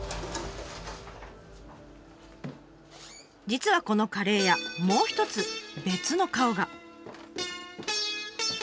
実はこのカレー屋もう一つ別の顔が。